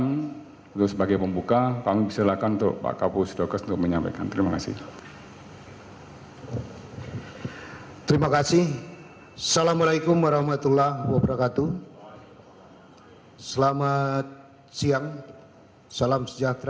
dan untuk sebagai pembuka kami silakan pak kapusdokes untuk menyampaikan terima kasih